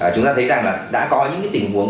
chúng ta thấy rằng là đã có những tình huống